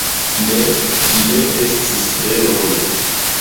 Ne, ĝi ne estis tre longa.